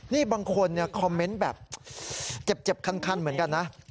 นี่บางคนคอมเมนต์แบบเจ็บคันเหมือนกันนะ